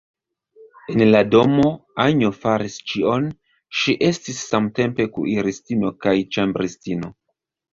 En la domo Anjo faris ĉion; ŝi estis samtempe kuiristino kaj ĉambristino.